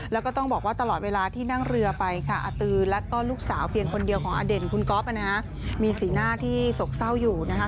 แล้วก็ต้องบอกว่าตลอดเวลาที่นั่งเรือไปค่ะอาตือแล้วก็ลูกสาวเพียงคนเดียวของอเด่นคุณก๊อฟนะฮะมีสีหน้าที่โศกเศร้าอยู่นะคะ